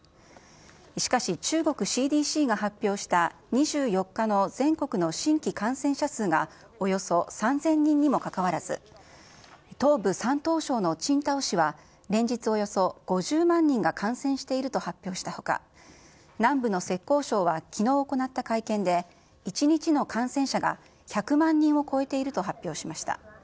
しかし、中国ＣＤＣが発表した２４日の全国の新規感染者数が、およそ３０００人にもかかわらず、東部、山東省のチンタオ市は連日およそ５０万人が感染していると発表したほか、南部の浙江省はきのう行った会見で、１日の感染者が１００万人を超えていると発表しました。